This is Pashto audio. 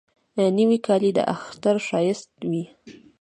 نوې کالی د اختر ښایست وي